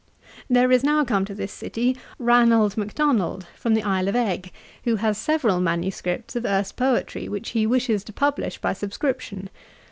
'There is now come to this city, Ranald Macdonald from the Isle of Egg, who has several MSS. of Erse poetry, which he wishes to publish by subscription.